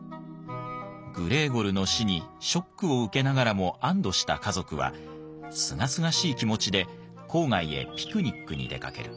グレーゴルの死にショックを受けながらも安堵した家族はすがすがしい気持ちで郊外へピクニックに出かける。